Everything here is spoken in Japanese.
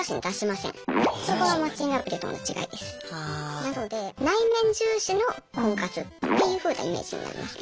なので「内面重視」の婚活っていうふうなイメージになりますね。